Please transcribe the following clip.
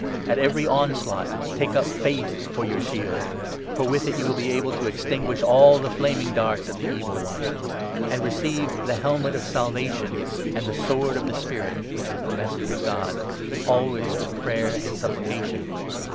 At every onslaught take up faith for your shield ; for with it you will be able to extinguish all the flaming darts of the Evil One. And receive ' the helmet of Salvation,' and ' the sword of the Spirit '— which is the Message of God — always with prayer and supplication.